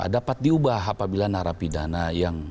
dapat diubah apabila narapidana yang